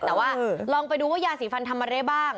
แต่ว่าลองไปดูว่ายาสีฟันทำอะไรบ้าง